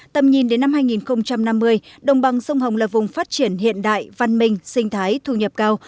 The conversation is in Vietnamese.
tầm nhìn đến năm hai nghìn năm mươi đồng bằng sông hồng là vùng phát triển hiện đại văn minh sinh thái thu nhập cao